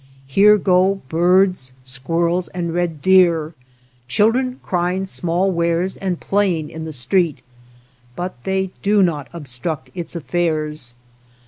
Here go birds, squirrels, and red deer, children crying small wares and playing in the (Street, but they do not obstruct its affairs.